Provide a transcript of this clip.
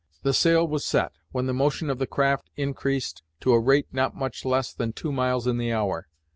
The sail was set, when the motion of the craft increased to a rate not much less than two miles in the hour.